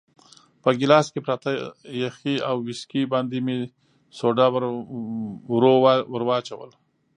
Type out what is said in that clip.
په ګیلاس کې پراته یخي او ویسکي باندې مې سوډا ورو وراچول.